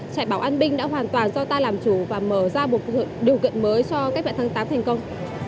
trại bảo an binh đã hoàn toàn do ta làm chủ và mở ra một điều kiện mới cho cách mạng tháng tám thành công